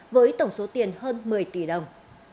với tổng số tiền hơn một mươi tỷ đồng